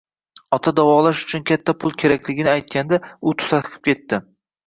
Ota davolash uchun katta pul kerakligini aytganida, u tutaqib ketdi